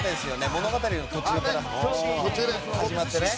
物語の途中から始まってね。